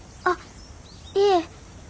あっいえ。